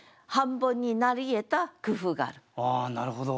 あなるほど。